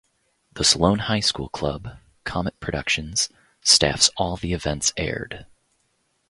The Solon High School Club, Comet Productions, staffs all the events aired.